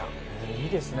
いいですね。